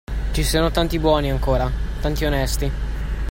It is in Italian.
Ci sono tanti buoni ancora, tanti onesti.